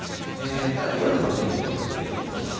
ただ夜の天気を見ていきましょう。